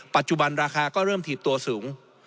ปัจจุบันราคาก็เริ่มถีบตัวสูง